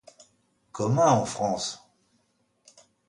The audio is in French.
Commun en France.